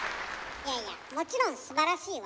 いやいやもちろんすばらしいわ。